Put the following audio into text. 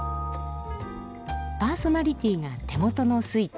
パーソナリティーが手元のスイッチ